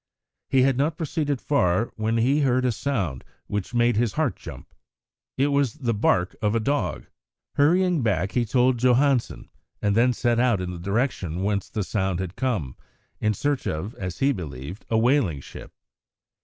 He had not proceeded far when he heard a sound which made his heart jump. It was the bark of a dog. Hurrying back, he told Johansen, and then set out in the direction whence the sound had come, in search of, as he believed, a whaling ship.